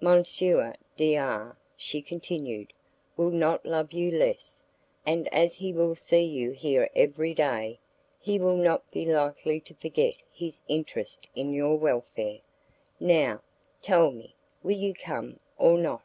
"M. D R ," she continued, "will not love you less, and as he will see you here every day, he will not be likely to forget his interest in your welfare. Now, tell me, will you come or not?"